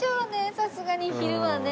さすがに昼はね。